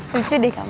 lucu deh kamu